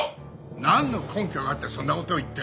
なんの根拠があってそんな事を言ってるんだ！